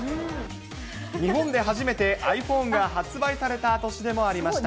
日本で初めてｉＰｈｏｎｅが発売された年でもありました。